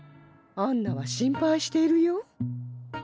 アンナは心配しているよ。